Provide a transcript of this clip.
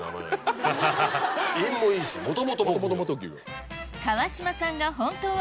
韻もいいし「もともと木魚」。